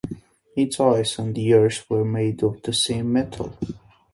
Its eyes and ears were made of the same metal.